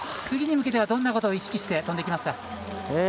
次に向けてはどんなことを意識して飛んでいきますか？